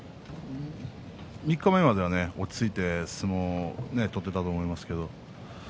三日目までは落ち着いて相撲を取っていたと思います。